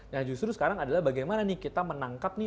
nah justru sekarang adalah bagaimana nih kita menangkap nih